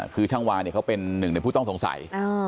คือช่างวาเนี่ยเขาเป็นหนึ่งในผู้ต้องสงสัย